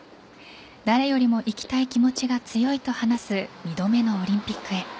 誰よりも行きたい気持ちが強いと話す２度目のオリンピックへ。